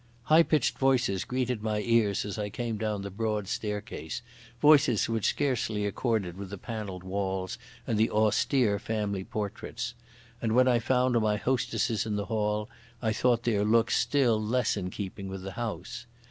High pitched voices greeted my ears as I came down the broad staircase, voices which scarcely accorded with the panelled walls and the austere family portraits; and when I found my hostesses in the hall I thought their looks still less in keeping with the house.